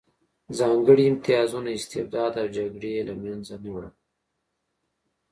ځانګړي امتیازونه، استبداد او جګړې یې له منځه نه وړل